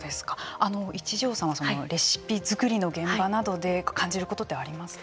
一条さんはレシピ作りの現場などで感じることってありますか。